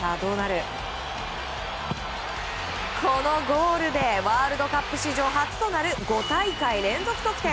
このゴールでワールドカップ史上初となる５大会連続得点。